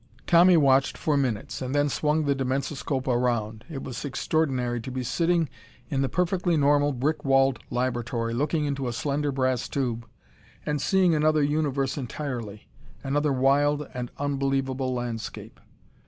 Tommy watched for minutes, and then swung the dimensoscope around. It was extraordinary, to be sitting in the perfectly normal brick walled laboratory, looking into a slender brass tube, and seeing another universe entirely, another wild and unbelievable landscape.